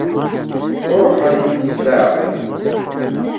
Ṛuḥemt s leɛqel.